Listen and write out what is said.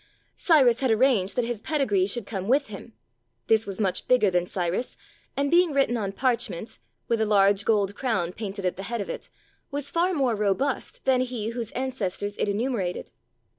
Cyrus had arranged that his pedigree should come with him ; this was much bigger than Cyrus, and, being written on parchment (with a large gold crown painted at the head of it), was far more robust than he whose ancestors it enumerated.